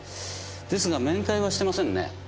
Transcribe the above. ですが面会はしてませんね。